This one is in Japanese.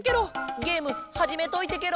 ゲームはじめといてケロ！